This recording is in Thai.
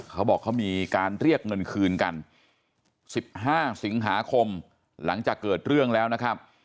เขาบอกเขามีการเรียกเงินคืนกัน๑๕สิงหาคมหลังจากเกิดเรื่องแล้วนะครับ